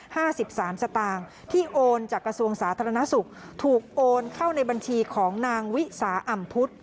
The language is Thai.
ห้าสิบสามสตางค์ที่โอนจากกระทรวงสาธารณสุขถูกโอนเข้าในบัญชีของนางวิสาอ่ำพุทธ